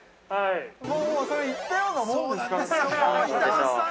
◆もう、それ言ったようなもんですから。